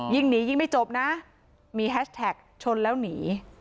ยิ่งหนียิ่งไม่จบนะมีแฮชแท็กชนแล้วหนี